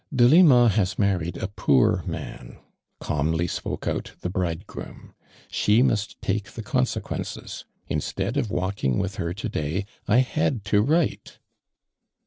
" Delimahas married a poor man." calm ly spoke out the bridegroom. " She must take the consequences. Instead of walking out with her to day, I had to write."